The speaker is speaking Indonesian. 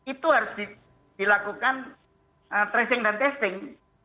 itu harus dilakukan tracing dan testing